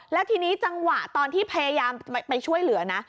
แล้วทีนี้จังหวะตอนที่พยายามไปช่วยเหลือนะ